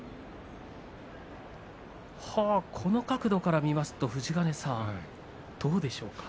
この角度から見ると富士ヶ根さん、どうでしょうか。